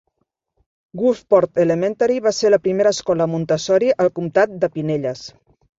Gulfport Elementary va ser la primera escola Montessori al comtat de Pinellas.